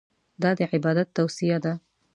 دا د عبادت توصیه ده.